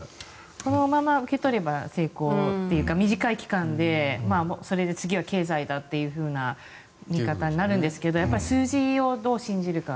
このまま受け取れば成功というか、短い期間でそれで次は経済だというふうな見方になるんですけどやっぱり数字をどう信じるか。